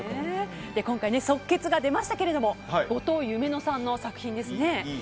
今回、即決が出ましたけど後藤夢乃さんの作品ですね。